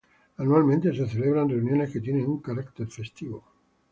Anualmente se celebran reuniones que tienen un carácter festivo.